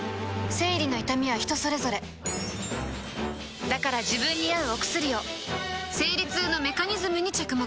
生理の痛みは人それぞれだから自分に合うお薬を生理痛のメカニズムに着目